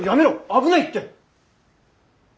危ないって！